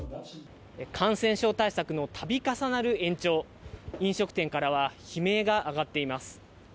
感染症対策のたび重なる延長、飲食店からは悲鳴が上がっています。